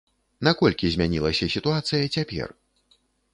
Наколькі змянілася сітуацыя цяпер?